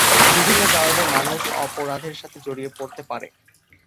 বিভিন্ন কারণে মানুষ অপরাধের সাথে জড়িয়ে পড়তে পারে।